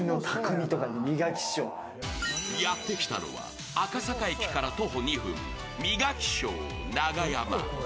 やってきたのは赤坂駅から徒歩２分、磨匠ながやま。